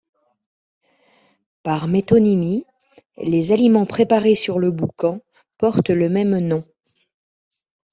Par métonymie, les aliments préparés sur le boucan portent le même nom.